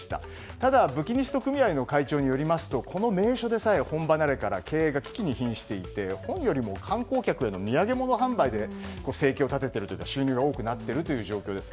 ただ、ブキニスト組合の会長によるとこの地でも本離れから経営が危機に瀕していて本よりも観光客への土産物販売の収入が大きくなっている状況です。